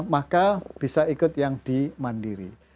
maka bisa ikut yang dimandiri